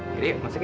jadi masuk ya